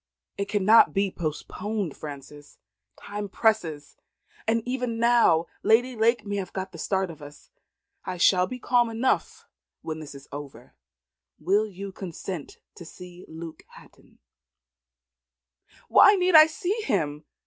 "It cannot be postponed, Frances. Time presses, and even now Lady Lake may have got the start of us. I shall be calm enough when this is over. Will you consent to see Luke Hatton?" "Why need I see him?"